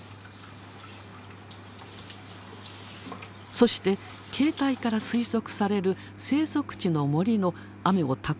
そして形態から推測される生息地の森の雨をたっぷり吸い込んだ土。